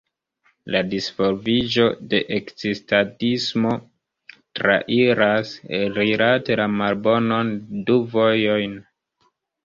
La disvolviĝo de ekzistadismo trairas, rilate la malbonon, du vojojn.